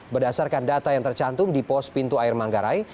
berdasarkan data yang tercantum di pos pintu air manggarai